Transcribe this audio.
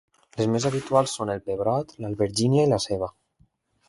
les més habituals són el pebrot, l'albergínia i la ceba